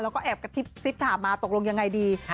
แล้วก็แอบกระซิบถามมาตกลงยังไงดี